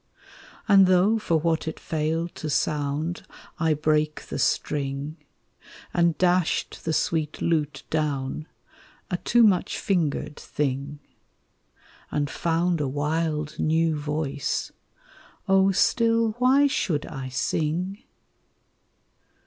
And though for what it failed to sound I brake the string, And dashed the sweet lute down, a too much fingered thing, And found a wild new voice, oh, still, why should I sing?